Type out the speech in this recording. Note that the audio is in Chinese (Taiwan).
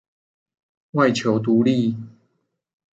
外求獨立